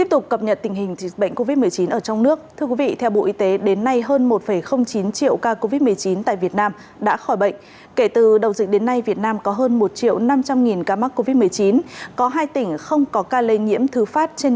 hãy đăng ký kênh để ủng hộ kênh của mình nhé